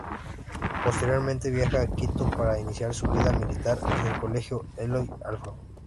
Posteriormente viaja a Quito para iniciar su vida militar en el Colegio Eloy Alfaro.